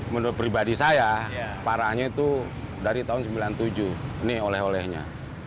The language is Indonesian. menurut pribadi saya parahnya itu dari tahun sembilan puluh tujuh nih oleh olehnya